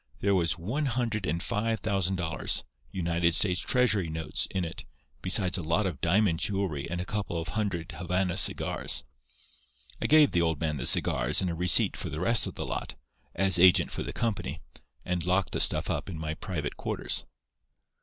There was one hundred and five thousand dollars, United States treasury notes, in it, besides a lot of diamond jewelry and a couple of hundred Havana cigars. I gave the old man the cigars and a receipt for the rest of the lot, as agent for the company, and locked the stuff up in my private quarters.